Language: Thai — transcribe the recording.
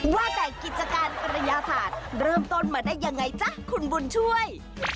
ว่าแต่กิจการกระยาศาสตร์เริ่มต้นมาได้ยังไงจ๊ะคุณบุญช่วย